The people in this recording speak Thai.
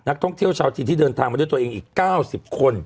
ท่องเที่ยวชาวจีนที่เดินทางมาด้วยตัวเองอีก๙๐คน